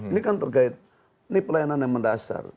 ini kan terkait ini pelayanan yang mendasar